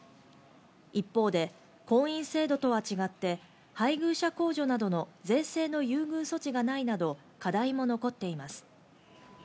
一方で、婚姻制度とは違って配偶者控除などの税制の優遇措置がないなど課題も残っています。